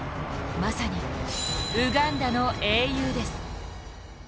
まさにウガンダの英雄です。